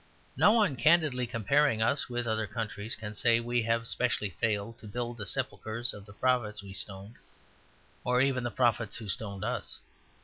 No one candidly comparing us with other countries can say we have specially failed to build the sepulchres of the prophets we stoned, or even the prophets who stoned us.